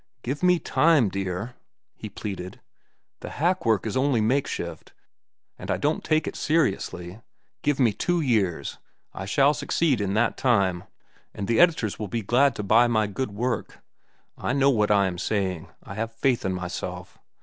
"Give me time, dear," he pleaded. "The hack work is only makeshift, and I don't take it seriously. Give me two years. I shall succeed in that time, and the editors will be glad to buy my good work. I know what I am saying; I have faith in myself.